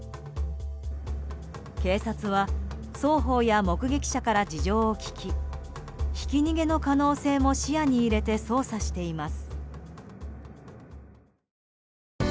警察は双方や目撃者から事情を聴きひき逃げの可能性も視野に入れて捜査しています。